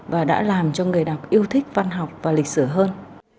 và đã làm cho người đọc yêu thích văn học và lịch sử hơn